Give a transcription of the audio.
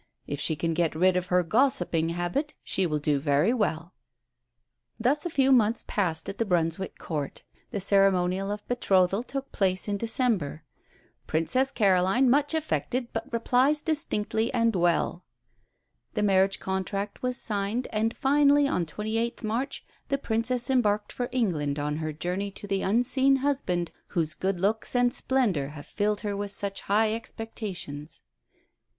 If she can get rid of her gossiping habit she will do very well." Thus a few months passed at the Brunswick Court. The ceremonial of betrothal took place in December "Princess Caroline much affected, but replies distinctly and well"; the marriage contract was signed, and finally on 28th March the Princess embarked for England on her journey to the unseen husband whose good looks and splendour have filled her with such high expectations.